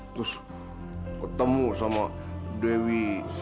terus ketemu sama dewi